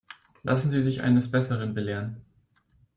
Lassen Sie sich eines Besseren belehren.